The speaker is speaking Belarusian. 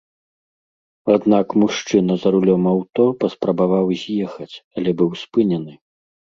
Аднак мужчына за рулём аўто паспрабаваў з'ехаць, але быў спынены.